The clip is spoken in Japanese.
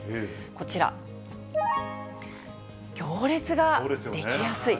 こちら、行列が出来やすい。